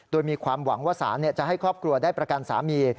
โดยมีความหวังว่าสารจะให้ครอบครัวได้ประกันสามี